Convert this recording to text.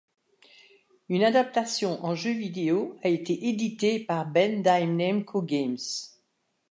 Une adaptation en jeux-vidéo a été éditée par Bandai Namco Games.